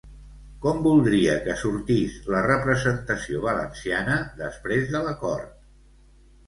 Com voldria que sortís la representació valenciana després de l'acord?